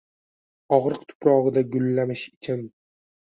og’riq tuprog’ida gullamish ichim.